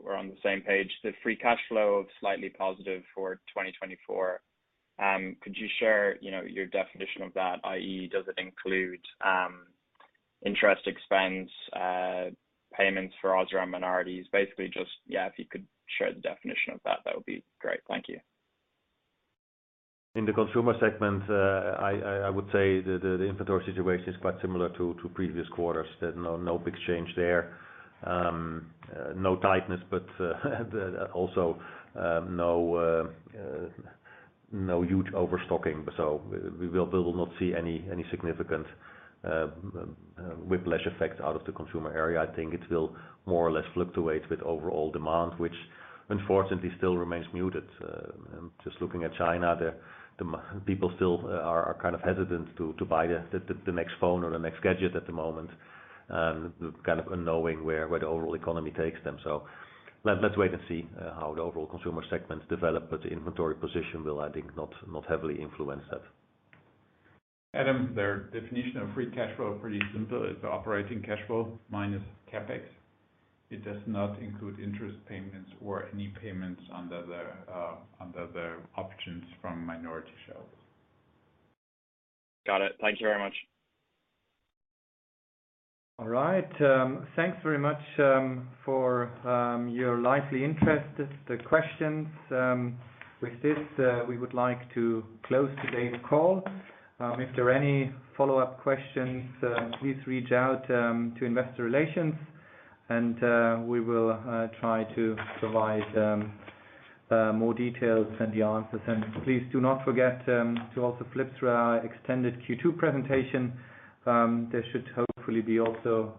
we're on the same page, the free cash flow of slightly positive for 2024, could you share, you know, your definition of that? i.e., does it include interest expense, payments for other minorities? Basically, just, yeah, if you could share the definition of that, that would be great. Thank you. In the consumer segment, I would say the inventory situation is quite similar to previous quarters. There's no big change there. No tightness, but also no huge overstocking. We will not see any significant whiplash effect out of the consumer area. I think it will more or less fluctuate with overall demand, which unfortunately still remains muted. Just looking at China, the people still are kind of hesitant to buy the next phone or the next gadget at the moment, kind of unknowing where the overall economy takes them. Let's wait and see how the overall consumer segments develop, but the inventory position will, I think, not heavily influence that. Adam, their definition of free cash flow is pretty simple. It's operating cash flow minus CapEx. It does not include interest payments or any payments under the under the options from minority shares. Got it. Thank you very much. All right, thanks very much for your lively interest, the questions. With this, we would like to close today's call. If there are any follow-up questions, please reach out to investor relations, and we will try to provide more details and the answers. Please do not forget to also flip through our extended Q2 presentation. There should hopefully be also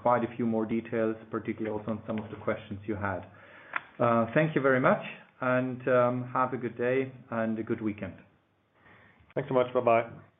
quite a few more details, particularly also on some of the questions you had. Thank you very much, and have a good day and a good weekend. Thanks so much. Bye-bye.